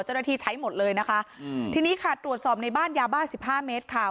เจ้าหน้าที่ใช้หมดเลยนะคะอืมทีนี้ค่ะตรวจสอบในบ้านยาบ้าสิบห้าเมตรค่ะ